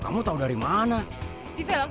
kalau tuh bisa kesana lezat less